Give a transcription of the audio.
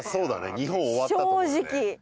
日本終わったと思うね。